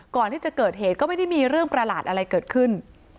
ก่อนที่จะเกิดเหตุก็ไม่ได้มีเรื่องประหลาดอะไรเกิดขึ้น